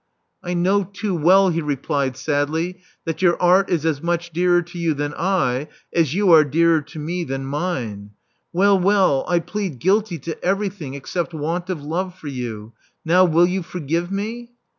•*I know too well/* he replied sadly, "that your art is as much dearer to you than I, as you are dearer to me than mine. Well, well, I plead guilty to every thing except want of love for you. Now will you forgive me?"